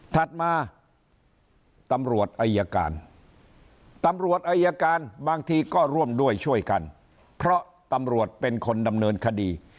ถัดมาตำรวจอายการตำรวจอายการบางทีก็ร่วมด้วยช่วยกันเพราะตำรวจเป็นคนดำเนินคดี